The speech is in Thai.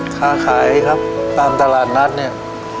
ค้าขายครับตามตลาดนัดเนี่ย